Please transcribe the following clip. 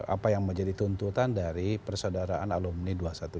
apa yang menjadi tuntutan dari persaudaraan alumni dua ratus dua belas